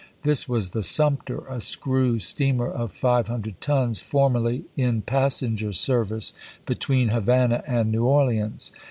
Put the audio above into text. This was the Sumter^ a screw steamer of 500 tons, formerly in passenger service between Havana and New Orleans.